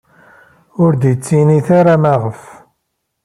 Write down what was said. Ur iyi-d-ttinit ara maɣef.